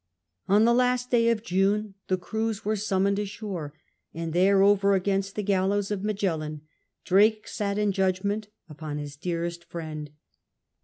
On the last day of June the crews were summoned ashore, and there over against the gallows of Magellan Drake sat in judgment upon his dearest friend.